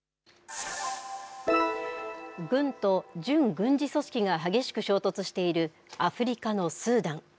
軍と準軍事組織が激しく衝突しているアフリカのスーダン。